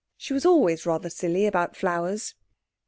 She was always rather silly about flowers.